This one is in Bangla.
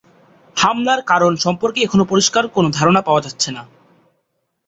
হামলার কারণ সম্পর্কে এখনও পরিষ্কার কোর ধারণা পাওয়া যাচ্ছে না।